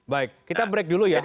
baik kita break dulu ya